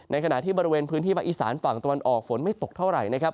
ขณะที่บริเวณพื้นที่ภาคอีสานฝั่งตะวันออกฝนไม่ตกเท่าไหร่นะครับ